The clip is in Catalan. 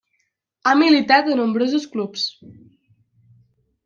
Ha militat a nombrosos clubs.